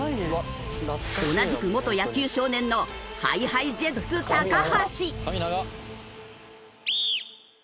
同じく元野球少年のＨｉＨｉＪｅｔｓ橋。